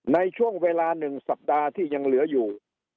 ในช่วงเวลา๑สัปดาห์ที่ยังเหลืออยู่